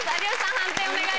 判定お願いします。